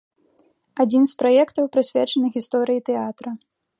Адзін з праектаў прысвечаны гісторыі тэатра.